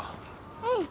うん。